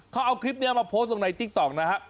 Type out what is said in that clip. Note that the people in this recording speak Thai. เขาเอาคลิปนี้มาโพสต์ลงในติ๊กต๊อกนะฮะ